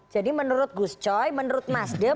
jadi menurut gus coy menurut mas dem